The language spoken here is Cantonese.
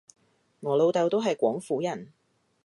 我老豆都係廣府人